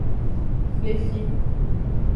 Fefli.